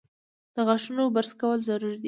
د غاښونو برس کول ضروري دي۔